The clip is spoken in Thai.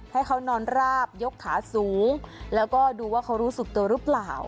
ให้เขานอนราบยกขาสูงแล้วก็ดูว่าเขารู้สึกตัวหรือเปล่า